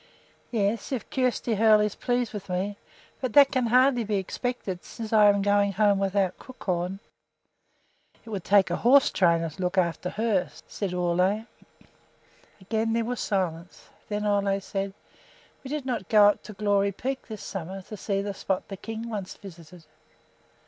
"Yes, if Kjersti Hoel is pleased with me; but that can hardly be expected, since I am going home without Crookhorn." "It would take a horse trainer to look after her," said Ole. Again there was silence. Then Ole said: "We did not go up to Glory Peak this summer, to see the spot the king once visited."